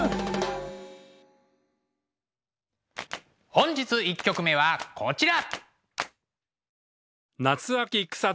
本日１曲目はこちら。